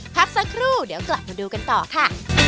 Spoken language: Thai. พักสักครู่เดี๋ยวกลับมาดูกันต่อค่ะ